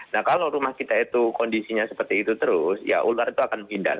nah kalau rumah kita itu kondisinya seperti itu terus ya ular itu akan menghindar